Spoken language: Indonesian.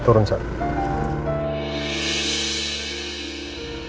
bagaimana cara membuatnya